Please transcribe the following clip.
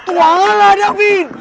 tuan lela david